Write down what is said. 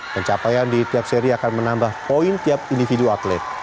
pencapaian di tiap seri akan menambah poin tiap individu atlet